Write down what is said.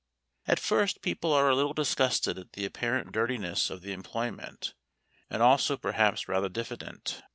At first people are a little disgusted at the apparent dirtiness of the employment, and also perhaps rather diffident.